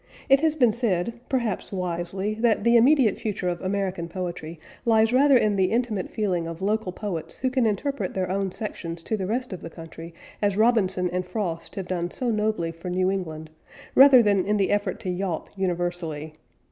It has been said, perhaps wisely, that the immediate future of American Poetry lies rather in the intimate feeling of local poets who can interpret their own sections to the rest of the country as Robinson and Frost have done so nobly for New England, rather than in the effort to yawp universally.